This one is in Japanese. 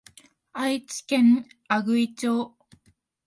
愛知県阿久比町